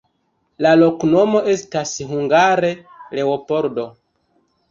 La loknomo estas hungare: Leopoldo.